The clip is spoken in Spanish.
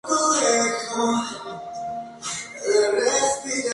Los años ochenta lo devuelven a la política.